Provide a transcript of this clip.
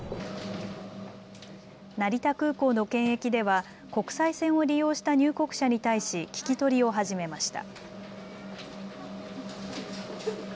成田空港の検疫では国際線を利用した入国者に対し聞き取りを始めました。